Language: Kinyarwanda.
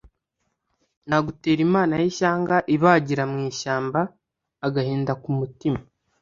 Nagutera Imana y'ishyanga ibagira mu ishyamba-Agahinda ku mutima.